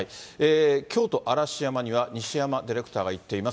京都・嵐山には西山ディレクターが行っています。